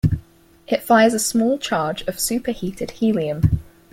It fires a small charge of superheated helium.